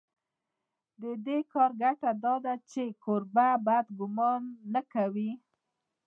د دې کار ګټه دا ده چې کوربه بد ګومان نه کوي.